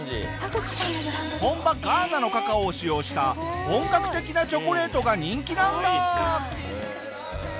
本場ガーナのカカオを使用した本格的なチョコレートが人気なんだ！